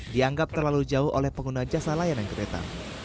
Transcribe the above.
dianggap terlalu jauh oleh pengguna jasa layanan kereta